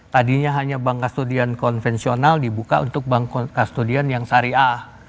tadinya hanya bank kastudian konvensional dibuka untuk bank studian yang syariah